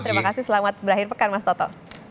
terima kasih selamat berakhir pekan mas toto